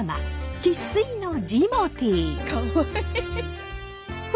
生っ粋のジモティー！